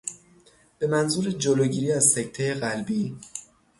به منظور جلوگیری از سکتهی قلبی